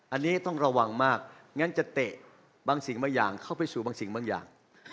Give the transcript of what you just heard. อันนี้ต้องระวังมากงั้นจะเตะบางสิ่งบางอย่างเข้าไปสู่บางสิ่งบางอย่าง